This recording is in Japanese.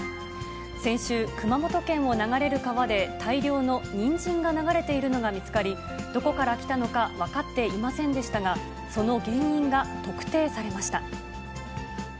先週、熊本県を流れる川で、大量のニンジンが流れているのが見つかり、どこから来たのか分かっていませんでしたが、その原因が特定されました。